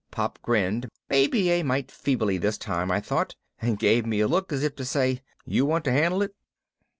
Pop grinned, maybe a mite feebly this time, I thought, and gave me a look as if to say, "You want to handle it?"